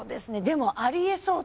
でもありえそう